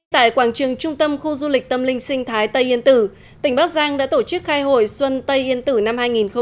tại quảng trường trung tâm khu du lịch tâm linh sinh thái tây yên tử tỉnh bắc giang đã tổ chức khai hội xuân tây yên tử năm hai nghìn hai mươi